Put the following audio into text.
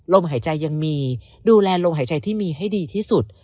หายใจยังมีดูแลลมหายใจที่มีให้ดีที่สุด